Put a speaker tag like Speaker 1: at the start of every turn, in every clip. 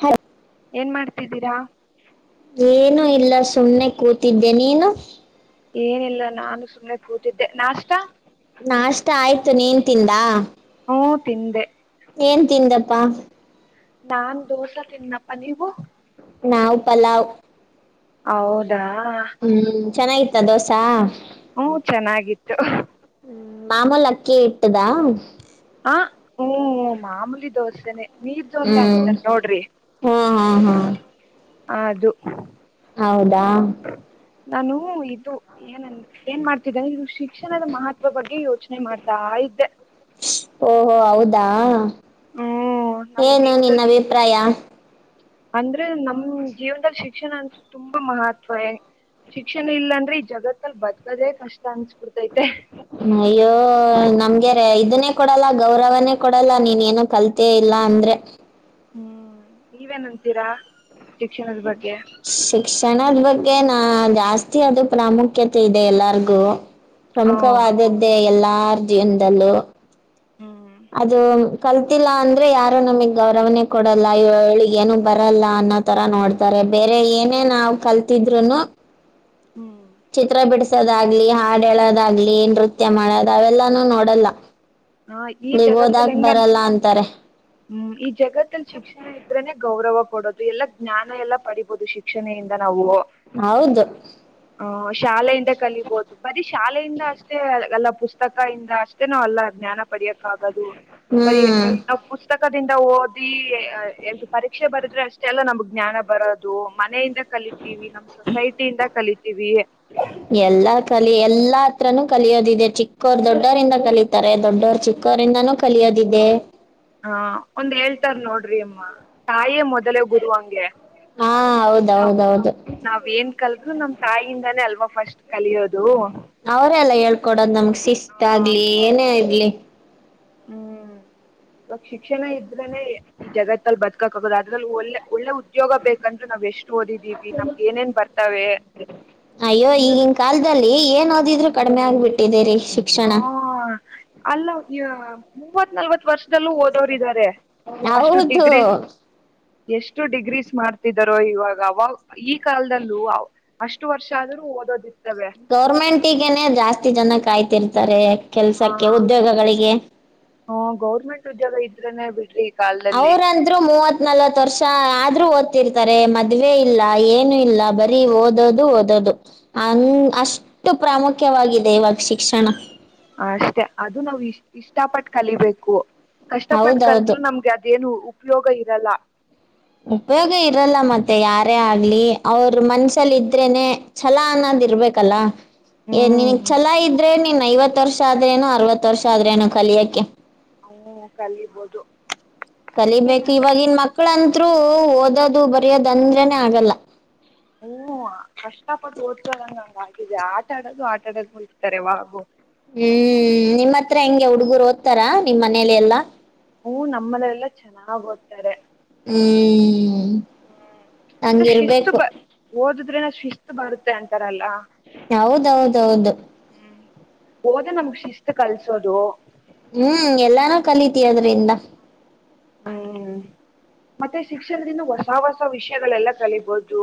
Speaker 1: ಹ
Speaker 2: ಏನ್ ಮಾಡ್ ಟ್ಟಿದ್ದೀರಾ
Speaker 1: ಏನು ಇಲ್ಲ ಸುಮ್ಮನೆ ಕೂತಿದ್ದೆ ನೀನು
Speaker 2: ಏನಿಲ್ಲ ನಾನು ಸುಮಮ್ಮನೆ ಕೂತಿದ್ದೆ ನಾಷ್ಟ
Speaker 1: ನಾಷ್ಟ ಆಯ್ತು ನೀನ್ಂತಿಂದ
Speaker 2: ಹ ತಿಿಂದೆ
Speaker 1: ಏನ್ ತಿಂದಪ್ಪಾ
Speaker 2: ನಾನ್ ದೋಸೆ ತಿನ್ನಪ್ಪ ನೀವು
Speaker 1: ನಾಾವ್ ಪಲಾವ್
Speaker 2: ಹೌದು ಾ
Speaker 1: ಹ್ಮ್ ಚೆನ್ನಾಗಿತ್ತ ದೋಸೆ
Speaker 2: ಹ್ಮ ಚೆನ್ನಾಗಿತ್ತು
Speaker 1: ್ಮ ಮಾಮೂಲಿ ಅಕ್ಕೇ ಇಟ್ಟದಾ
Speaker 2: ಹ ಹ್ಮ್ ಮಾಮೂಲಿ ದೋಸೆನೆ
Speaker 1: ಹ್ಮ್ ಹಾ ಹಾ ಹಾ
Speaker 2: ಹದು
Speaker 1: ಹೌದು ಬಾ
Speaker 2: ನಾನು ಇದು ಏನಂದ ಏನ್ ಮಾಡ್ತಿದ್ದನೆ ಋಷಿ ಶಿಕ್ಷಣದ ಮಹತ್ವ ಬಗ್ಗೆ ಇವತ್ತು ಯೋಚನೆ ಮಾಡ್ತಾ ಇದ್ದೆ
Speaker 1: ಓಹೋ ಹೌದಾ ಏನು ನಿನ್ನ ಅಭಿಪ್ರಾಯ
Speaker 2: ಅಂದ್ರೆ ನಮ ಜೀವನದಲ್ಲಿ ಶಿಕ್ಷಣ ಅಂತ ತುಂಬಾ ಮಹತ್ವ ಶಿಕ್ಷಣ ಇಲ್ಲಾಂದ್ರೆ ಈ ಜಗತ್ತಲ್ ಬದಕದೇ ಕಷ್ಟ ಅನ್ಸ್ಬಿಡ್ತ
Speaker 1: ಅಯ್ಯೋ ನಮ್ಗೆಾರ ಇದನ್ನೇ ಕೊಡಲ್ಲ ಗೌರವನೇ ಕೊಡಲ್ಲ ನೀನ್ ಏನೋ ಕಲ್ತೆ ಇಲ್ಲ ಅಂದ್ರೆ
Speaker 2: ಹ್ಮ್ ನೀವೇನಂತೀರಾ
Speaker 1: ಶಿಕ್ಷಣದ ಬಗ್ ಗೆ ನಾ ಜಾಸ್ತಿ ಅದು ಪ್ರಾಮುಖ್ಯತೆ ಇದೆ ಎಲ್ಲಾರ್ಗು ಪ್ರಮುಖವಾದದ್ದೇ ಎಲ್ಲಾರ ಅ ಎಂದಲ್ಲೋ ಅದು ಕಲ್ತಿಲ್ಲಾ ಅಂದ್ರೆ ಯಾರು ನಮಗ್ ಗೌರವನೆ ಕೊಡಲ್ಲಿ ಏನು ಬರಲ್ಲ ಅನ್ನೋ ತರ ನೋಡ್ತಾರೆ ಬೇರೆ ಏನೇ ನಾವ್ ಕಲ್ತಿದ್ರುನು ಚಿತ್ರಾಪೇಟ ದಾಗ್ಲಿ ಹಾಡ ಹೇಳೋದಾಗ್ಲಿ ನೃತ್ಯ ಮಾಡೋದ ಅವೆಲ್ಲಾನೂ ನೋಡಲ್ಲ ನೀಗಓದಕ್ ಬರಲ್ಲ ಅಂತಾರೆ
Speaker 2: ಹ್ಮ್ ಈ ಜಗತ್ತಲ್ಲಿ ಶಿಕ್ಷಣ ಇದ್ರನೆ ಗೌರವ ಕೊಡೋದು ಎಲ್ಲಾ ಜ್ಞಾನ ಎಲ್ಲಾ ಪಡಿಬಹದು ಶಿಕ್ಷಣೆಯಿಂದ ನಾವು
Speaker 1: ಹೌದು
Speaker 2: ಹ ಶಾಲೆ ಕಲಿಬಹುದು ಬರೀ ಶಾಲೆಯಿಂದ ಅಷ್ಟೇಲ್ಲ ಪುಸ್ತಕ ಇಂದ ಅಷ್ಟೇ ನಾವ ಅಲ್ಲ ಜ್ಞಾನ ಪಡೆಯಕ್ಕ ಆಾಗದು ಬರೀ
Speaker 1: ಹ್ಮ್
Speaker 2: ನಾ ಪುಸ್ತಕ ಪಕ್ಕದಿಂದ ಓದಿ ಎ್ದು ಪರೀಕ್ಷೆ ಬರದ್ರೆ ಅಷ್ಟೆ ಎಲ್ಲ ನಮ್ಗ್ ಜ್ಞಾನ ಬರೋದು ಮನೆಯಿಂದ ಕಲಿತೀವಿ ನಮ್ ಸೊಸೈಟಿಯಿಂದ ಕಲಿತೀವೇ
Speaker 1: ಹತ್ರನ ಕಲಿಯೋದಿದೆ ಚಿಕ್ಕೋರ್ ದೊಡ್ಡೋರಿಂದ ಕಲಿತಾರೆ ದೊಡ್ಡವರು ಚಿಕ್ಕೋರಿಂದಾನೂ ಕಲಿಯೋದಿದೆ
Speaker 2: ಹಾ ಒಂದ್ ಹೇಳ್ತಾರ್ ನೋಡ್ರಿ ಅಮ್ಮ ತಾಯೇ ಮೊದಲೇ ಗುರುವ ಹಂಗೆ
Speaker 1: ಹಾ ಹೌದೌದೌದು
Speaker 2: ಲ್ರು ನಮ್ ತಾಯಿಯಿಂದಾನೇ ಅಲ್ವಾ ಫಸ್ಟ್
Speaker 1: ಅವ್ರಲ್ಲ ಹೇಳ್ಕೊಡೋದು್ ನಮಗ್ ಶಿಸ್ಟಾಆಗ್ಲಿ ಏನೇ ಆಗ್ಲಿ
Speaker 2: ಹ್ಮ್ ಇವಾಗ ಶಿಕ್ಷಣ ಇದ್ರನೆ ಈ ಜಗತ್ತಲ್ಲಿ ಬದಕಕ್ಗೋದ ಅದ್ರಲ್ಲಿ ಒಳ್ಳೆ ಒಳ್ಳೆ ಉದ್ಯೋಗ ಬೇಕಂದ್ರು ನಾವ್ ಎಷ್ಟು ಓದಿದ್ದೀವಿ ನಮ್ಗೆ ಏನೇನ್ ಬರ್ತವೆ
Speaker 1: ಎ ಏನಾದಿದ್ರು ಕಡಿಮೆ ಆಗ್ಬಿಟ್ಟಿದ್ದೀರಿ
Speaker 2: ಆ ಅಲ್ಲ ಹೋಗಿಯಾ ಮೂವತ್ ನಲ್ವತ್ ವರ್ಷದಲ್ಲೂ ಓದೋರಿದ್ದಾರೆ ಅಷ್ಟು
Speaker 1: ಹೌದು
Speaker 2: ಡಿಗ್ರಿ ಎಷ್ಟು ಡಿಗ್ರೀಸ್ ಮಾಡ ಇದರೊ ಇವಾಗ ಅವಾಗ ಈ ಕಾಲದಲ್ಲೂ ಅಷ್ಟು ವರ್ಷ ಆದ್ರೂ ಓದೋದಿತ್ತು
Speaker 1: ಗೌರ್ಮೆಂಟ್ ಗನೆ ಜಾಸ್ತಿ ಜನಕ್ ಆಯ್ತ ತಿರ್ತಾರೆ ಕೆಲ್ಸಕ್ಕೆ ಉದ್ಯೋಗಗಳಿಗೆ
Speaker 2: ಇದನ್ನೇ ಬಿಡ್ರಿ
Speaker 1: ಅವ್ರಂದ್ರು ಮೂವತ್ ನಲ್ವತ್ ವರ್ಷ ಆದ್ರೂ ಒ ರ್ತಾರೆ ಮದ್ವೆ ಇಲ್ಲ ಏನು ಇಲ್ಲ ಬರೀ ಓದೋದು ಓದೋದು ಹಂಗ ಅಷ್ಟು ಪ್ರಾಮುಖ್ಯವಾಗಿದೆ ಇವಾಗ ಶಿಕ್ಷಣ
Speaker 2: ಅಷ್ಟೆ ಅದು ನಾವು ಇಷ್ಟಪಟ್ಟು ಕಲಿಬೇಕು ಕಷ್ಟ ಪಟ್ಟ
Speaker 1: ಹೌದೌದು
Speaker 2: ಕಲ್ತೃ ನಮ್ಗೆ ಅದೇನು ಉಪಯೋಗ ಇರಲ್ಲ
Speaker 1: ಉಪಯೋಗ ಇರಲ್ಲ ಮತ್ತೆ ಯಾರೇ ಆಗ್ಲಿ ಅವ್ರ ಮನಸಲ್ಲ ಇದ್ರೇೇ ಛಲೋ ಅನ್ನದು್ ಇರ್ಬೇಕಲ್ಲ ಏ ನನ್ಗ್ ಚಲ ಇದ್ರೆ ನಿನ್ ಐವತ್ ವರ್ಷ ಆದ್ರೇನು ಅರವತ್ ವರ್ಷ ಆದ್ರೇನು ಕಲಿಯಕ್ಕೆೆ
Speaker 2: ಹ್ಮ್ ಕಲಿಬೌದು
Speaker 1: ಕಲಿಬೇಕು ಇವಾಗಿನ್ ಮಕ್ಳಂತ ಅಂತೂ ಓದೋದು ಬರಿಯೋದ ಅಂದ್ರನೆ ಆಗಲ್ಲ
Speaker 2: ಹ್ಮ್ ಕಷ್ಟಪಟ್ಟು ಓದೋಣ ಅಂದೇ ಆಟಾಡೋದು ಆಟಾಡೋದು ಹತಾರೆ ಯಾವಾಗೂ
Speaker 1: ಹ್ಮ್ ನಿಮ್ಮತ್ರ ಹೆಂಗೆ ಹುಡ್ಗರು ಓದ್ತಾರಾ ನಿಮ್ ಮನೇಲಿ ಎಲ್ಲಾ
Speaker 2: ಹೂ ನಮ್ಮನ ಎಲ್ಲ ಚೆನ್ನಾಗ್ ಓದ್ತಾರೆ
Speaker 1: ಹ್ಮ ಹಂಗಿರ್ಬೇಕು
Speaker 2: ಶಿಸ್ತು ಬರುತೆ ಅಂತಾರಲ್ಲ
Speaker 1: ಹೌದೌದೌದು
Speaker 2: ಹೋದ ನಮಗ್ ಶಿಸ್ತ ಕಲ್ಸೋದು
Speaker 1: ಹ್ಮ್ ಎಲ್ಲಾನೂ ಕಲಿತಿ ಅದ್ರಿಂದ
Speaker 2: ಹ್ಮ್ ಮತ್ತೆ ಶಿಕ್ಷಣದಿಂದ ಹೊಸ ಹೊಸ ವಿಷಯಗಳೆಲ್ಲ ಕಲಿಬೋದು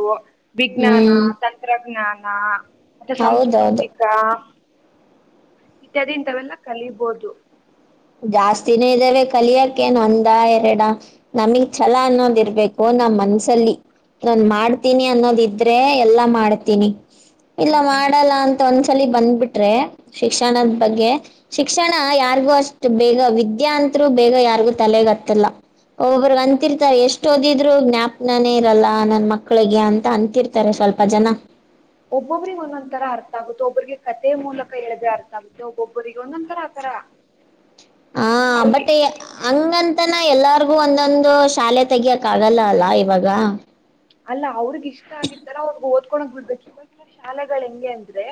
Speaker 2: ವಿಜ್ಞಾನ
Speaker 1: ಹ್ಮ್
Speaker 2: ತಂತ್ರಜ್ಞಾನ ಹಾ ಮತ್ತೆ
Speaker 1: ಹೌದೌದು
Speaker 2: ಸಂಸ್ಕೃತಿಕ ಇತ್ಯಾದಿ ಇಂತವೆೆಲ್ಲ ಕಲೀಬೋದು
Speaker 1: ಜಾಸ್ತಿನೇ ಇದ್ದಾವೆ ಕಲಿಯಕೇನ್ ಒಂದ ಎರಡ ನಮಗ್ ಛಲ ಅನ್ನೋದ ಇರ್ಬೇಕು ನಮ್ ಮನ್ಸಲ್ಲಿ ನಾನ್ ಮಾಡ್ತೀನಿ ಅನ್ನೋದ ಇದ್ರೆ ಎಲ್ಲಾ ಮಾಡ್ತೀನಿ ಇಲ್ಲ ಮಾಡಲ್ಲ ಅಂತ ಒಂದ್ಸಲಿ ಬಂದ್ಬಿಟ್ರೆ ಶಿಕ್ಷಣದ ಬಗ್ಗೆ ಶಿಕ್ಷಣ ಯಾರಿಗೂ ಅಷ್ಟ ಈಗ ವಿದ್ಯಾ ಅತ್ರು ಬೇಗ ಯಾರಿಗೂ ತಲೆಗತ್ತಲ್ಲ ಒಬ್ಬ್ರ ಅಂತಿರ್ತಾರೆ ಎಷ್ಟು ಎಷ್ಟ ಓದಿದ್ರು ಜ್ಞಾಪನಾನೇ ಇರಲ್ಲ ನನ್ ಮಕ್ಳಿಗೆ ಅಂತ ಅಂತಿರ್ತಾರೆ ಸ್ವಲ್ಪ ಜನ
Speaker 2: ಒಬ್ಬೊಬ್ರಿಗೆ ಒಂದೊಂದ್ ತರ ಅರ್ಥ ಆಗುತ್ತೆ ಒಬ್ಬ್ರಿಗೆ ಕಥೆ ಮೂಲಕ ಹೇಳಿದ್ರೆ ಅರ್ಥ ಆಗುತ್ತೆ ಒಬ್ಬೊಬ್ಬ್ರಿಗೆ ಒಂದೊಂದ ತರ ಆತರ
Speaker 1: ಹಾ ಮತ್ತೆ ಹಂಗಂತ ತಾನ ಎಲ್ಲಾರ್ಗೂ ಒಂದೊಂದು ಶಾಲೆ ತೆಗಿಯಕ್ ಆಗಲ್ಲ ಅಲ್ಲ ಇವಾಗ
Speaker 2: ಅಲ್ಲ ಅವ್ರಗ ಇಷ್ಟ ಆಗಿತ್ತಾರ ಅವ್ರಗ್ ಓದ್ಕೊಳೋಗ ಬಿಡ್ಬೇಕು ಇವ ಕೆಲವು ಶಾಲೆಗಳ ಹೆಂಗೆ ಅಂದ್ರೆ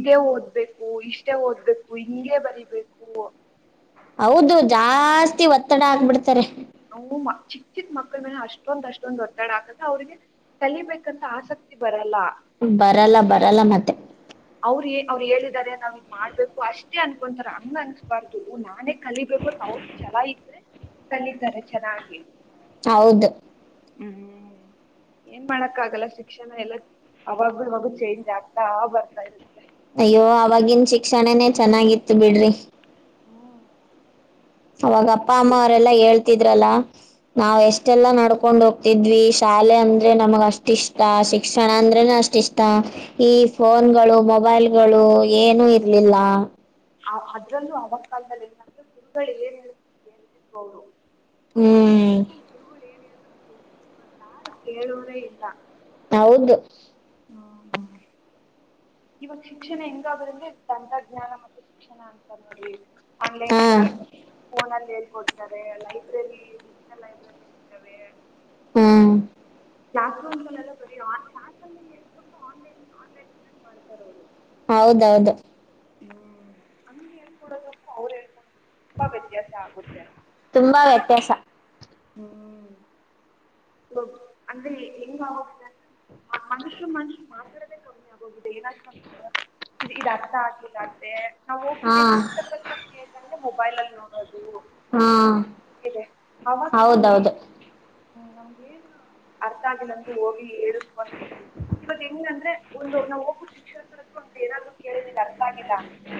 Speaker 2: ಇದೇ ಓದ್ಬೇಕು ಇಷ್ಟೇ ಓದ್ಬೇಕು ಹಂಗೇ ಬರಿಬೇಕು
Speaker 1: ಹೌದು ಜಾಸ್ತಿ ಒತ್ತ ಒತ್ತಡ ಆಗ್ಬಿಡ್ತಾರೆ
Speaker 2: ಚಿಕ್ಕ ಚಿಕ್ ಮಕ್ಳ ಮೇಲೆ ಅಷ್ಟೊಂದ್ ಅಷ್ಟೊಂದ ಒತ್ತಡ ಹಾಕದ್ರೆ ಅವ್ರಿಗೆ ಕಲಿಬೇಕಂತ ಆಸಕ್ತಿ ಬರಲ್ಲ
Speaker 1: ಬರಲ್ಲ ಬರಲ್ಲ ಮತ್ತೆ
Speaker 2: ಅವ್ರ ಅವ್ರು ಹೇಳಿದಿದ್ದಾರೆ ನಾವ್ ಇದ್ ಮಾಡ್ಬೇಕು ಅಷ್ಟೇ ಅನ್ಕೊಂತಾರ ಹಂಗ ಅಂಕೋಬಾರ್ದು ನಾನೇ ಕಲಿಬೇಕು ಅ ಅವ್ರ ಛಲ ಇದ್ರೆ ಕಲ್ಲಿ ತಾರೇ ಚನ್ನಗಿ
Speaker 1: ಹೌದು
Speaker 2: ಹ್ಮ್ ಏನ್ ಮಾಡಕ್ಕ ಆಗಲ್ಲ ಶಿಕ್ಷಣ ಎಲ್ಲ ಅವಾಗೂ ಮಗು ಚೇಂಜ್ ಆಗ್ತಾ ಬರ್ತಾ ಇರುತ್ತೆ
Speaker 1: ಅಯ್ಯೋ ಅವವಾಗಿನ ಶಿಕ್ಷಣನೇ ಚೆನ್ನಾಗಿತ್ತು ಬಿಡ್ರಿ
Speaker 2: ಹ್ಮ್
Speaker 1: ಅವಾಗ ಅಪ್ಪ ಅಮ್ಮ ಅವರೆಲ್ಲ ಹೇಳ್ತಾರೆ ತಿದ್ರಲ್ಲ ನಾವ್ ಎಷ್ಟೆಲ್ಲಾ ನಡ್ಕೊಂಡು ಹೋಗ ತಿದ್ವಿ ಶಾಲೆ ಅಂದ್ರೆ ನಮಗ ಅಷ್ಟ ಇಷ್ಟ ಶಿಕ್ಷಣ ಅಂದ್ರೇನೆ ಅಷ್ಟ ಇಷ್ಟ ಈ ಫೋನ್ ಗಳು ಮೊಬೈಲ್ ಗಳು ಏನು ಇರ್ಲಿಲ್ಲ
Speaker 2: ಅದ್ರಲ್ಲೂ ಅವನ್ ಕಾಲದಲ್ಲಿ ಏನಂದ್ರೆ ಗುರುಗಳು ಏನ್ ಹೇಳ್ತಿದ್ವು ಅವರು ಮಕ್ಕಳ
Speaker 1: ಹ್ಮ್
Speaker 2: ಹ ಉವ ಏನಾದ ಕೇಳ್ತಬಾ ಕೇಳುವುದೇ ಇಲ್ಲ
Speaker 1: ಹೌದು
Speaker 2: ಹ್ಮ ಇವಾಗ ಶಿಕ್ಷಣ ಹೆಂಗಾದ್ರಂದ್ರೆ ತಂತ್ರಜ್ಞಾನ ಮತ್ತೆ ಶಿಕ್ಷಣ ಅಂತ ನೋಡಿ ಆನ್ಲೈನ್
Speaker 1: ಹಾ
Speaker 2: ಕ್ಲಾಸ್ ಫೋನಲ್ಲಿ ಹೇಳ್ಕೊಡ್ತಾರೆ ಲೈಬ್ರರಿ ಡಿಜಿಟಲ್ ಲೈಬ್ರರಿ ಇರ್ತವೆ
Speaker 1: ಹ್ಮ್
Speaker 2: ಕ್ಲಸ್ಂದಲೆಲ್ಲ ಬರ ಆ ಕ್ಸ್ ಅಲ್ಲಿ ಹೇಳ್ಕಟ್ಟು ಆನ್ಲೈನ್ ಆನ್ಲೈನ್ ಇದ್ದಾಗ ಮಾಡ್ತಾರ ಅವ್ರು
Speaker 1: ಹೌದೌದು
Speaker 2: ಹ್ಮ್ ಹಂಗ ಹೇಳ್ಕೊಡೋದಪ್ಪ ಅವ್ರು ಹೇಳ್ಕೊಡ ಬ ವ್ಯತ್ಯಸ ಆಗುತ್ತೆ
Speaker 1: ತುಂಬಾ ವ್ಯತ್ಯಾಸ
Speaker 2: ಹ್ಮ ಹ ಅಂದ್ರೆ ಹೆಂಗ ಆಗದಿಲ್ಲ ಅಂದ್ರೆ ಮನುಷ್ಯರು ಮನುಷ್ಯ ಮಾ್ತಡದೇ ಕಮ್ಮಿ ಆಗ್ ಹೋಗೋಗಿನ ಇದು ಅರ್ಥ ಆಗ್ಲಿಲ್ಲ ಆದ್ರೆ ನಾವ್
Speaker 1: ಹಾ
Speaker 2: ಹೋಗ್ಬಿಟ್ಟಿ ಶಿಕ್ಷಕ ಹತ್ರ ಕೇಳಳ್ ಮ ಮೊಬೈಲ್ ನೋ
Speaker 1: ಹಾ ಹೌದೌದು
Speaker 2: ಹ್ಮ ಏನು ಅರ್ಥ ಆಗಿ ನಮಗೆ ಹೋಗಿ ಹೇಳಕಕಂತಿದವಿ ಇವಾಗ ಹೆಂಗ ಅಂದ್ರೆ ಒಂದು ನಾ ಒಬ್ಬು ಶಿಕ್ಷಕರತ್ರ ಒಂದು ಏನಾದ್ರು ಕೇಳಿದಿಲ್ಲ ಅರ್ಥ ೊಾಗಿ ಅಂದ್ರೆ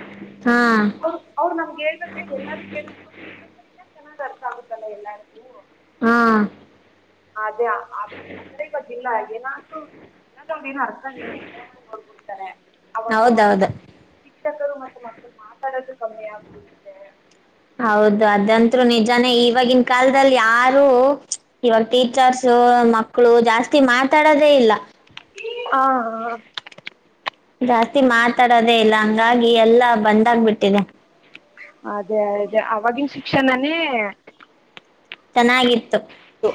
Speaker 1: ಹಾ
Speaker 2: ಅವರು ಅವ್ರು ನಮ್ಗೆ ಹೇಳ್ಬೇಕ್ರೆ ಎಲ್ಲಾರು ಕೇಳಕ್ರೆಂತ ಇಲ್ಲ ಚೆನ್ ಅರ್ಥ ಆಗುತ್ತಲ್ಲಾ ಎಲ್ಲಾರಿಗೂ
Speaker 1: ಹಾ
Speaker 2: ಅ ಅದ ಅದ ಗೊತ್ತಿಲ್ಲ ಆ್ತು ಏನಾದೂ ನು ಅರ್ಥ ಆ ಫೋನಲ್ಲಿ ನೋಡ್ಬಿಡ್ತಾರೆ ಅವಾಗ ಮ
Speaker 1: ಹೌದೌದು
Speaker 2: ಶಿಕ್ಷಕರು ಮೆ ಮಕ್ಕಳು ಮಾತಾಡೋದು ಕಮ್ಮಿ ಆಗ್ಬಡುತ್ತೆ
Speaker 1: ಹೌದು ಅದಂತರು ನಿಜಾನೇ ಇವಾಗಿನ ಕಾಲದಲ್ಲಿ ಯಾರು ಇವಾಗ ತೀ ಚಾರ್ಸು ಮ ಮಕ್ಕಳು ಜಾಸ್ತಿ ಮಾತಾಡೋದೇ ಇಲ್ಲ
Speaker 2: ಹಾ ಹಾ
Speaker 1: ಜಾಸ್ತಿ ಮಾತಾಡೋದೇ ಇಲ್ಲ ಹಂಗಾಗಿ ಎಲ್ಲಾ ಬಂದಾಗಬಿಟ್ಟಿದೆ
Speaker 2: ಅದೇ ಅದೇ ಅವಗಿನ ಶಿಕ್ಷಣನೇ
Speaker 1: ಚೆನ್ನಾಗಿತ್ತು
Speaker 2: ಹ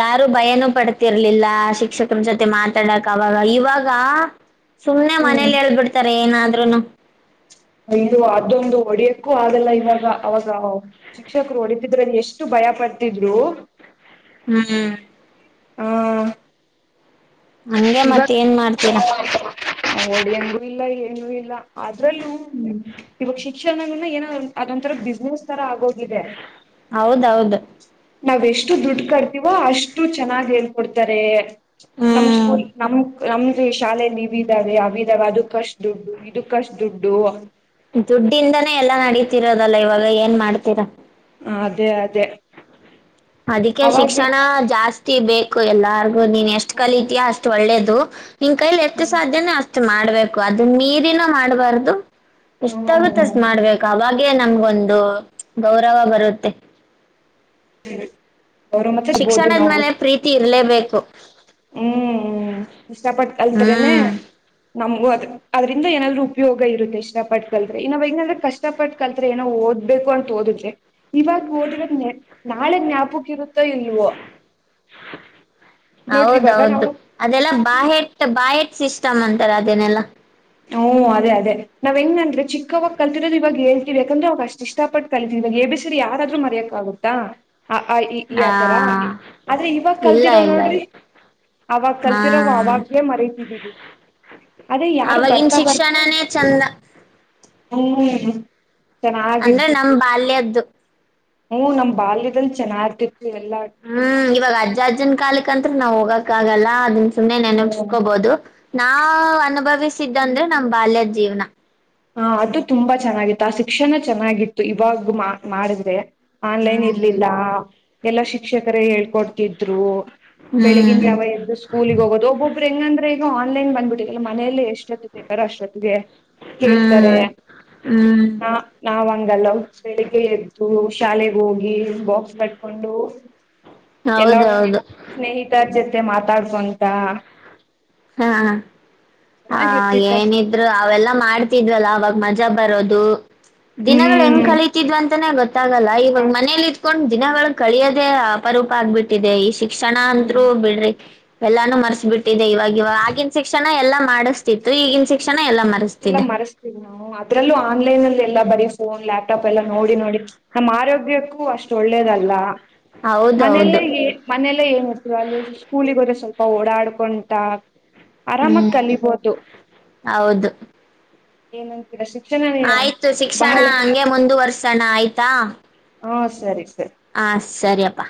Speaker 1: ಯಾರು ಭಯನೂ ಪಡ್ತಿರ್ಲಿಲ್ಲ ಶಿಕ್ಷಕರ ಜೊತೆ ಮಾತಾಡಕ್ ಅವಾಗ ಇವಾಗ ಸುಮ್ಮ್ನೆ ಮನೇಲಿ ಹೇಳ್ಬಿಡ್ತಾರೆ ಏನಾದ್ರೂ ಇನ್ನ
Speaker 2: ಇದು ಅದೊಂದು ಹೊಡಿಯಕ್ಕೂ ಆಗಲ್ಲ ಇವಾಗ ಅವಾಗ ಶಿಕ್ಷಕರು ಹೊಡಿತಿದ್ರಲ್ಲಿ ಎಷ್ಟು ಭಯ ಪಡ್ತಿದ್ರು
Speaker 1: ಹ್ಮ್
Speaker 2: ಹ್ಮ
Speaker 1: ಹಂಗೆ ಮತ್ತ ಏನ್ ಮಾಡ್ತೀರ
Speaker 2: ಎಂಗು ಇಲ್ಲ ಏನುೂ ಇಲ್ಲ ಅದ್ರಲ್ಲೂ ಇವಾಗ ಶಿಕ್ಷಣನ್ನ ಏನೋ ಅದೊಂಂತರ ಬಿಸ್ನೆಸ್ ತರ ಆಗೋ
Speaker 1: ಹೌದು ಹೌದು
Speaker 2: ನಾವ್ ಎಷ್ಟು ದುಡ್ಡು ಕಟ್ಟುವೋ ಅಷ್ಟು ಚೆನ್ನಾಗಿ ಹೇಳ್ಕೊಡ್ತಾರೆ ನಮ್
Speaker 1: ಹ್ಮ್
Speaker 2: ನಮ್ ನಮ್ ಶಾಲೆ ನೀವ ಇದಾವೆ ಅವ ಇದಾವೆ ಅದಕ್ಕ ಅಷ್ಟು ದುಡ್ಡು ಇದಕ್ಕಷ್ಟು ದುಡ್ಡು
Speaker 1: ದುಡ್ಡಿಂದಾನೇ ಎಲ್ಲಾ ನಡೀತಿರೋದಲ್ಲ ಇವಾಗ ಏನ್ ಮಾಡ್ತೀರಾ
Speaker 2: ಆದ
Speaker 1: ಅದಕ್ಕೆ ಶಿಕ್ಷಣ ಜಾಸ್ತಿ ಬೇಕು ಎಲ್ಲಾರ್ಗು ನೀನ್ ಎಷ್ಟ್
Speaker 2: ಹ್ಮ್
Speaker 1: ಕಲಿತೀಯಾ ಅಷ್ಟು ಒಳ್ಳೇದು ನಿನ್ ಕೈಲಿ ಎಷ್ಟ
Speaker 2: ಹ್ಮ್
Speaker 1: ಸಾಧ್ಯನ ಷ್ಟ ಮಾಡ್ಬೇಕು ಅದನ್ನ ಅದನ್ನ ಮೀರಿನು ಮಾಡ್ಬಾರ್ದು ಇಷ್ಟಾಗುತ್ತಸ್
Speaker 2: ಹ್ಮ್
Speaker 1: ಮಾಡ್ಬೇಕಾಗ ನಮ್ಗೊಂದು ಗೌರವ ಬರುತ್ತೆ
Speaker 2: ಹ್ಮ
Speaker 1: ಶಿಕ್ಷಣದ್ಮೇಲೆ ಪ್ರೀತಿ ಇರ್ಲೇಬೇಕು ಸ
Speaker 2: ಹ್ಮ್ ಹ್ಮ ಇಷ್ಟಪಟ್ಟು ಕಲ್ತರೇನೆ
Speaker 1: ಹ್ಮ್
Speaker 2: ನಮಗ ಅದ ಅದ್ರಿಂದ ಏನಾದ್ರು ಉಪಯೋಗ ಇರುತ್ತೆ ಇಷ್ಟ ಪಟ್ಟ ಕಲ್ತ್ೆ ಇನ್ನಾವ್ ಹೆಂಗಾದ್ರೆ ಕಷ್ಟ ಪಟ್ಟ ಕಲ್ತ್ ಏನೋ ಓದ್ಬೇಕು ಅಂತ ಓದಿದ್ರೆ ಇವಾಗ ಓದರದ ನಾಳೆಗ್ ಜ್ಞಾಪಕ ಇರುತ್ತೋ ಇಲ್ವೋ ನೋಡ್ರಿ ಇವಾಗ
Speaker 1: ಹೌದೌದು
Speaker 2: ನಾವು
Speaker 1: ಅದೆಲ್ಲಾ
Speaker 2: ಚಿಕ್
Speaker 1: ಬಾ
Speaker 2: ಮ
Speaker 1: ಎ ಬಾ ಎಟ್ ಇಷ್ಟ ಅಂತಾರೆ ಅದೇನೆಲ್ಲಾ
Speaker 2: ನಾವು ಅದೇ ಅದೇ ನಾವ್ ಹೆಂಗ್ ಅಂದ್ರೆ ಚಿಕ್ಕವಾಗ ಕಲ್ತಿರೋದು ಇವಾಗ ಹೇಳ್ತೀವಿ ಯಾಕಂದ್ರೆ ಅವಾಗ ಅಷ್ಟ್ ಇಷ್ಟ ಪಟ್ಟ ಕಲ್ತೀವಿ ಇವಾಗ ಎ ಬೇಸರಿ ಯಾರಾದರೂ ಮರಿಯಕ್ ಆಗುತ್ತಾ ಅ ಈ ಈ
Speaker 1: ಆ
Speaker 2: ಆತರ ಆದದ್ರ ಇವಾಗ
Speaker 1: ಇಲ್ಲ
Speaker 2: ಕಲ್ತಿರೋ
Speaker 1: ಇಲ್ಲ
Speaker 2: ನೋಡ್ರಿ
Speaker 1: ಇಲ್ಲ
Speaker 2: ಅವಾಗ
Speaker 1: ಹಾ
Speaker 2: ಕಲ್ತಿರೋ ಅವಾಗಲೇ ಮರತಿದ್ದೀವಿ ಅದೇ ಯಾರು
Speaker 1: ಈಗಿನ್ ಶಿಕ್ಷಣಾನೆ ಚಂದ
Speaker 2: ಹ್ಮ
Speaker 1: ಅಂದ್ರೆ ನಮ್ ಬಾಲ್ಯದ್ದು
Speaker 2: ಹ್ಮ್ ನಮ್ಮ ಬಾಲ್ಯದಲ್ಲಿ ಚೆನ್ನಾಗಿರ್ತಿತ್ತು ಎಲ್ಲಾ
Speaker 1: ಹ್ಮ್ ಇವಾಗ್ ಅಜ್ಜ ಅಜ್ಜನ್ ಕಾಲಕ್ ಈಗಂತ್ರ ನಾ ಹೋಗಕ್ಕಾಗಲ ಅದನ್ನ ಸುಮ್ನೆ
Speaker 2: ಹ್ಮ್
Speaker 1: ನೆನಪ್ಸ್ಕೋಬೋದು, ನಾವ್ ಅನುಭವಿಸ್ ಅನ್ಸಿದ್ ಅಂದ್ರೆ ನಮ್ ಬಾಲ್ಯದ್ ಜೀವ್ನ
Speaker 2: ಹ ಅದು ತುಂಬಾ ಚೆನ್ನಾಗಿತ್ತು ಆ ಶಿಕ್ಷಣ ಚೆನ್ನಾಗಿತ್ತು, ಇವಾಗ್ ಮಾ ಮಾಡಿದ್ರೆ ಆನ್ಲೈನ್
Speaker 1: ಹ್ಮ್
Speaker 2: ಇರ್ಲಿಲ್ಲ ಎಲ್ಲಾ ಶಿಕ್ಷಕರೇ ಹೇಳ್ಕೊಡ್ ತ್ತಿದ್ರು ಬೆಳಿಗಿನ
Speaker 1: ಹ್ಮ್
Speaker 2: ಜಾವ ಎದ್ದು ಸ್ಕೂಲಿಗೆ ಹೋಗೋದು ಒಬ್ಬೊಬ್ ಹೆಂಗಂದ್ರೆ ಈಗ ಆನ್ಲೈನ್ ಬಂದಬಿಟ್ಟಿದೆಯಲ್ಲ ಮನೆಯಲ್ಲೆ ಎಷ್ಟ್ ಎಷ್ಟೊತ್ತಿಗ್ ಬೇಕಾರೆ ಅಷ್ಟೊತ್ತಿಗೆ ಕೇಳ್ತಾರೆ,
Speaker 1: ಹ್ಮ್ ಹ್ಮ್
Speaker 2: ನಾ ನಾವ್ ಅಂಗಲ್ಲ ಬೆಳಿಗ್ಗೆ ಎ ಶಾಲೆೆಗೆ ಹೋಗಿ ಬಾಕ್ಸ್ ಕಟ್ಕೊಂಡು ಎಲ್ಲ
Speaker 1: ಹೌದೌದು
Speaker 2: ಸ್ನೇಹಿತರ್ ಜತ್ ಮತ್ತೆ ಮಾತಾಡ್ಕೊಂತ
Speaker 1: ಹಾ ಹ
Speaker 2: ಚೆನ್ನಾಗಿರ್ತಿತ್ತ
Speaker 1: ಏನಿದ್ರು ಅವೆಲ್ಲ ಮಾಡ್ತಿದ್ವಲ್ಲ ಅವಾಗ್ ಮಜಾ ಬರೋದು ದಿನಗಳು ಹೆಂಗ್
Speaker 2: ಹ್ಮ್
Speaker 1: ಕಳಿತಿದ್ವ ಅಂತಾನ ಗೊತ್ತಾಗಲ್ಲ ಇವಾಗ ಮನೇಲಿ ಇತ್ಕೊಂಡ್ ದಿನಗಳು ಕಳಿಯೋದೇ ಅಪರೂಪ ಆಗ್ಬಿಟ್ಟಿದೆ ಈ ಶಿ ಕ್ಷಣ ಅಂತ್ರು
Speaker 2: ಹ್ಮ್
Speaker 1: ಬಿಡ್ರಿ ಎಲ್ಲಾನು ಮರ್ಸ್ಬಿಟ್ಟಿದೆ ಇವಾಗ ಆಗಿನ ಶಿಕ್ಷಣ ಎಲ್ಲ ಮಾಡಿಸ್ತಿತ್ತು ಈಗಿನ ಶಿಕ್ಷಣ ಎಲ್ಲಾ
Speaker 2: ಎಲ್ಲ
Speaker 1: ಮರೆಸ್ತಿದೆ
Speaker 2: ಮರೆಸ್ತೀವಿ ನಾವು ಅದ್ರಲ್ಲೂ ಆನ್ಲೈನ್ ಅಲ್ಲಿ ಇಲ್ಲ ಬರೀ ಫೋನ್ ಲ್ಯಾಪ್ಟಾಪ್ ಎಲ್ಲ ನೋಡಿ ನೋಡಿ ನಮ್ಮ ಆರೋಗ್ಯಕ್ಕೂ ಅಷ್ಟ ಒಳ್ಳೇದಲ್ಲ, ಮನೆಲ್ಲೆ
Speaker 1: ಹೌದೌದು
Speaker 2: ಎ ಮನೆಲ್ಲೇ ಏನ್ [inaudible] ಸ್ಕೂಲಿಗ್ ಹೋದ್ರೆ ಸ್ವಲ್ಪ ಓಡಾಡ್ಕೊಂಟ
Speaker 1: ಹ್ಮ್ ಹೌದು
Speaker 2: ಏನಂತ್
Speaker 1: ಆಯ್ತು ಶಿಕ್ಷಣ ಹಂಗೆ ಮುಂದುವರ್ಸಣ ಆಯ್ತಾ?
Speaker 2: ಹಾ ಸರಿ ಸರಿ
Speaker 1: ಹಾ ಸರಿಯಪ್ಪಾ